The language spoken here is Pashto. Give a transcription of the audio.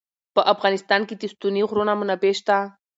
په افغانستان کې د ستوني غرونه منابع شته.